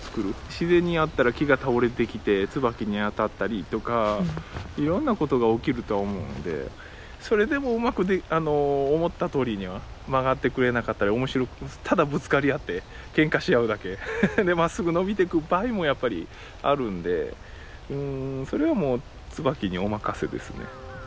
自然にあったら木が倒れてきて椿に当たったりとかいろんなことが起きるとは思うんでそれでもうまく思ったとおりには曲がってくれなかったり面白くただぶつかり合ってけんかし合うだけ。でまっすぐ伸びてく場合もやっぱりあるんでうんそれはもう椿にお任せですね。